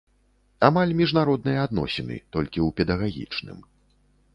Амаль міжнародныя адносіны, толькі ў педагагічным.